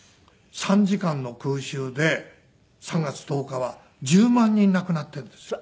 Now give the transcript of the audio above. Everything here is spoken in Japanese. ３時間の空襲で３月１０日は１０万人亡くなってるんですよ。